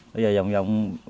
bây giờ dòng dòng